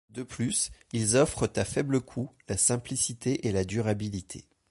De plus, ils offrent à faible coût, la simplicité et la durabilité.